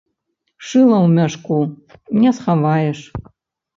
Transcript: Шыла ў мяшку не схаваеш.